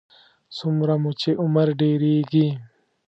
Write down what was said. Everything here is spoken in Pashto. څومره مو چې عمر ډېرېږي.